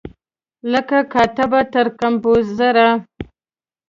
له کاتبه تر کمپوزره